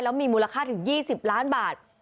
แล้วมีมูลค่าถึง๒๐ล้านบาท